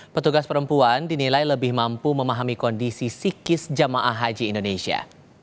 petugas perempuan dinilai lebih mampu memahami kondisi psikis jamaah haji indonesia